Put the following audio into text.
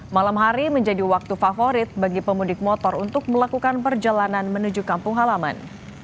malam hari menjadi waktu favorit bagi pemudik motor untuk melakukan perjalanan menuju kampung halaman